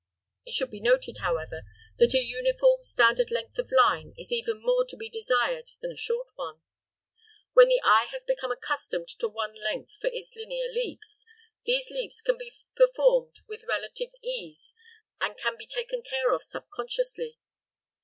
It should be noted, however, that a uniform, standard length of line is even more to be desired than a short one. When the eye has become accustomed to one length for its linear leaps, these leaps can be performed with relative ease and can be taken care of subconsciously.